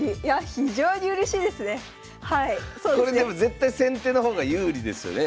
非常にこれでも絶対先手の方が有利ですよね？